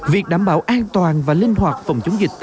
việc đảm bảo an toàn và linh hoạt phòng chống dịch